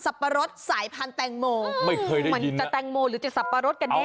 สับปะรดสายพันธุ์แตงโมจะแตงโมหรือจะสับปะรดกันเนี่ย